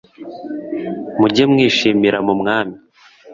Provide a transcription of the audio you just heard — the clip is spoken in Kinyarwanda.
mujye mwishimira mu Mwami